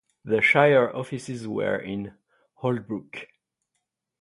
The shire offices were in Holbrook.